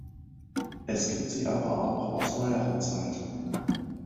Es gibt sie aber auch aus neuerer Zeit.